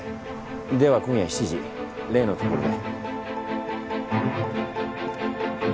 では今夜７時例の所で。